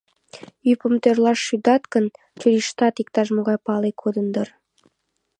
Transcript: Ӱпым тӧрлаш шӱдат гын, чурийыштат иктаж-могай пале кодын дыр.